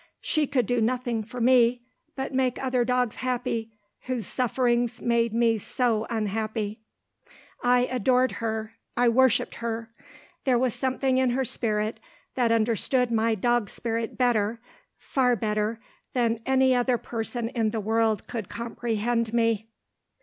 She could do nothing for me, but make other dogs happy, whose sufferings made me so unhappy. I adored her, I worshipped her. There was something in her spirit that understood my dog spirit better, far better, than any other person in the world could comprehend me.